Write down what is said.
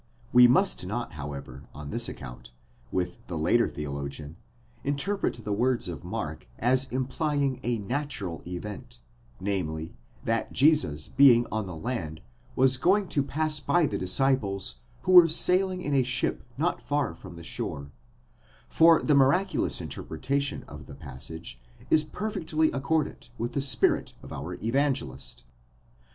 We must not however .on this account, with the latter theologian, interpret the words of Mark as implying a natural event, namely, that Jesus, being on the land, was going to pass by the disciples who were sailing in a ship not far from the shore, for the miraculous interpretation of the passage is perfectly accordant with the spirit of our Evangelist.